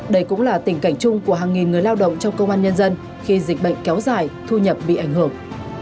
đây cũng là tình cảnh chung của hàng nghìn người lao động trong công an nhân dân khi dịch bệnh kéo dài thu nhập bị ảnh hưởng